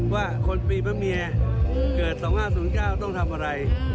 ว่าคนปีพระเมียเกิด๒๕๐๙ต้องทำอะไร